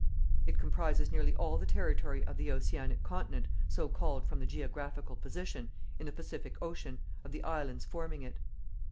It comprises nearly all the territory of the Oceanic continent, so called from the geographical position, in the Pacific Ocean, of the Islands forming it.